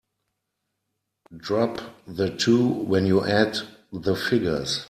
Drop the two when you add the figures.